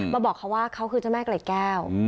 บอกเขาว่าเขาคือเจ้าแม่เกล็ดแก้ว